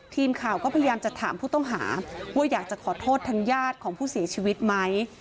ทีมข่าวก็พยายามจะถามผู้ต้องหาว่าอยากจะขอโทษทางญาติของผู้เสียชีวิตไหม